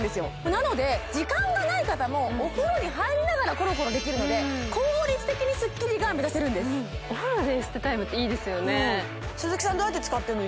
なので時間がない方もお風呂に入りながらコロコロできるので効率的にスッキリが目指せるんですうん鈴木さんどうやって使ってんの？